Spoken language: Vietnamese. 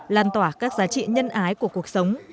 lan tỏa các giá trị nhân ái của cuộc sống